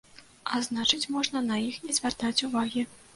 А значыць, можна на іх не звяртаць увагі.